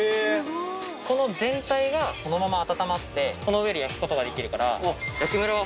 この全体がこのまま温まってこの上で焼くことができるから。